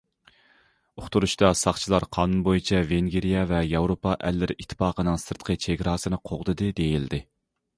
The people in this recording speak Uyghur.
ئۇقتۇرۇشتا: ساقچىلار قانۇن بويىچە ۋېنگىرىيە ۋە ياۋروپا ئەللىرى ئىتتىپاقىنىڭ سىرتقى چېگراسىنى قوغدىدى دېيىلدى.